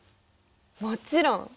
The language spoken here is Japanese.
もちろん。